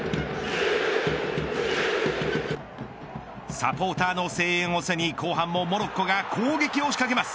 サポーターの声援を背に後半も、モロッコが攻撃を仕掛けます。